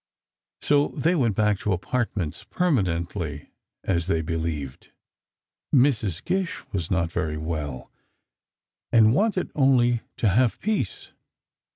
So they went back to apartments, permanently, as they believed. Mrs. Gish was not very well, and wanted only to have peace.